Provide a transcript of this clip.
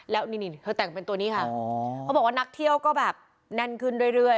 แล้วนี่เธอแต่งเป็นตัวนี้ค่ะเขาบอกว่านักเที่ยวก็แบบแน่นขึ้นเรื่อย